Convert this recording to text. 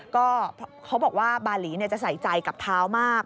ก็เขาบอกว่าบาหลีจะใส่ใจกับเท้ามาก